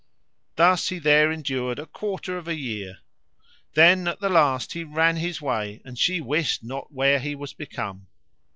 Thus he there endured a quarter of a year. Then at the last he ran his way, and she wist not where he was become.